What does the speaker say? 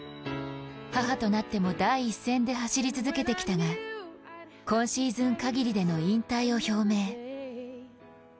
母となっても第一線で走り続けてきたが今シーズンかぎりでの引退を表明。